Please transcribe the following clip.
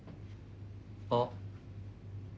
あっ。